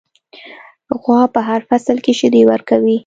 غوا په هر فصل کې شیدې ورکوي.